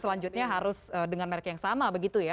selanjutnya harus dengan merek yang sama begitu ya